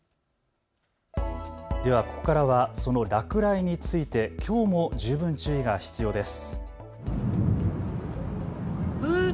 では、ここからはその落雷についてきょうも十分注意が必要です。